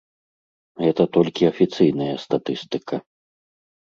Гэта толькі афіцыйная статыстыка.